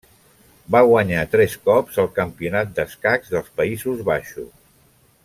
Va guanyar tres cops el Campionat d'escacs dels Països Baixos.